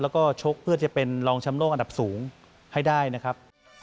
แล้วก็ชกเพื่อจะเป็นรองแชมป์โลกอันดับสูงให้ได้นะครับ